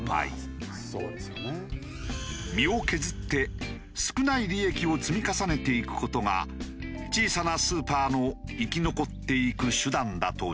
身を削って少ない利益を積み重ねていく事が小さなスーパーの生き残っていく手段だという。